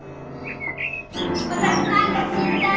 私なんか死んじゃえ！